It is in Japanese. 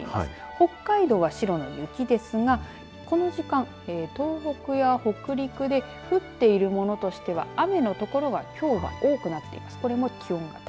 北海道は白の雪ですがこの時間、東北や北陸で降っているものとしては雨の所はきょうは多くなっています。